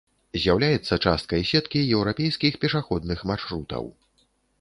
З'яўляецца часткай сеткі еўрапейскіх пешаходных маршрутаў.